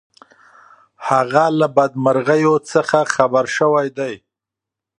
هغه له بدمرغیو څخه خبر شوی دی.